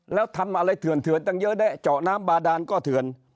แล้วทำอะไรเถื่อนตั้งเยอะแยะเจาะน้ำบาดานก็เถื่อน